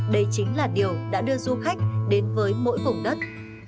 đây chính là điều đã đưa du khách đến với mỗi vùng đất